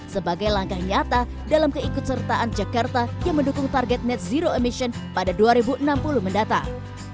sebagai langkah nyata dalam keikut sertaan jakarta yang mendukung target net zero emission pada dua ribu enam puluh mendatang